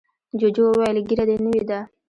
جوجو وویل ږیره دې نوې ده.